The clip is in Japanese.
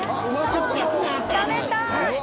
「食べたい！」